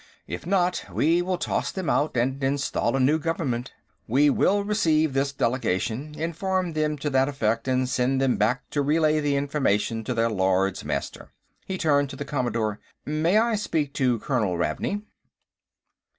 If not, we will toss them out and install a new government. We will receive this delegation, inform them to that effect, and send them back to relay the information to their Lords Master." He turned to the Commodore. "May I speak to Colonel Ravney?"